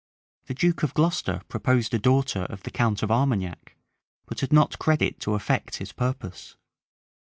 The duke of Glocester proposed a daughter of the count of Armagnac; but had not credit to effect his purpose.